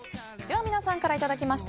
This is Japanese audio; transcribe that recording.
皆さんからいただきました